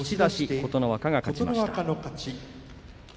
琴ノ若が勝ちました。